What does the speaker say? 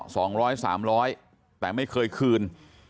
สองร้อยสามร้อยแต่ไม่เคยคืน